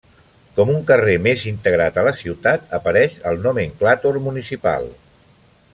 Com un carrer més integrat a la ciutat, apareix al nomenclàtor municipal.